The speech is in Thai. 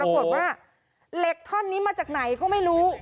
ปรากฏว่าเหล็กท่อนนี้มาจากไหนก็ไม่รู้